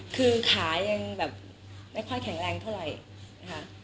คือขายังแบบไม่ค่อยแข็งแรงเท่าไหร่นะคะ